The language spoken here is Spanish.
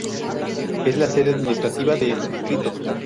Es la sede administrativa de ese distrito.